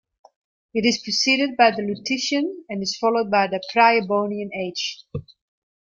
It is preceded by the Lutetian and is followed by the Priabonian age.